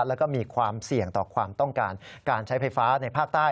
แล้วก็มีความเสี่ยงต่อความต้องการการใช้ไฟฟ้าในภาคใต้